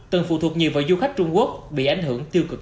từng phụ thuộc nhiều vào du khách trung quốc bị ảnh hưởng tiêu cực